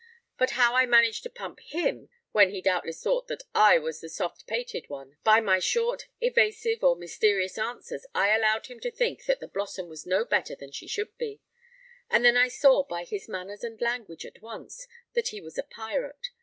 But how I managed to pump him, when he doubtless thought that I was the soft pated one! By my short, evasive, or mysterious answers, I allowed him to think that the Blossom was no better than she should be; and then I saw by his manners and language at once, that he was a pirate.